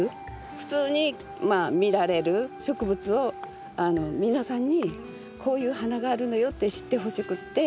普通にまあ見られる植物を皆さんにこういう花があるのよって知ってほしくって。